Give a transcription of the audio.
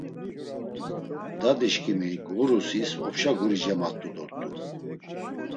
Didişǩimi ğurusis opşa guri cemat̆u dort̆u.